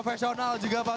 selamat tahun baru